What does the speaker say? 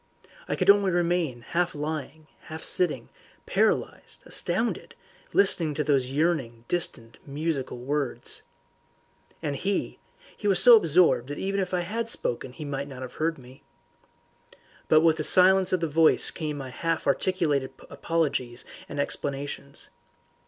I could only remain half lying, half sitting, paralysed, astounded, listening to those yearning distant musical words. And he he was so absorbed that even if I had spoken he might not have heard me. But with the silence of the voice came my half articulated apologies and explanations.